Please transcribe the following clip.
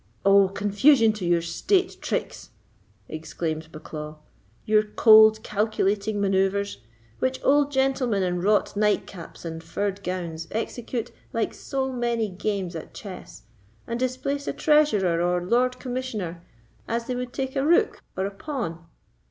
"Oh, confusion to your state tricks!" exclaimed Bucklaw—"your cold calculating manœuvres, which old gentlemen in wrought nightcaps and furred gowns execute like so many games at chess, and displace a treasurer or lord commissioner as they would take a rook or a pawn.